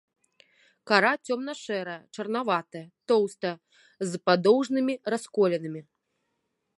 Кара цёмна-шэрая, чарнаватая, тоўстая, з падоўжнымі расколінамі.